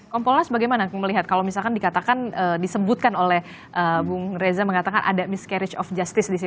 kompolnas bagaimana melihat kalau misalkan dikatakan disebutkan oleh bung reza mengatakan ada discarage of justice di sini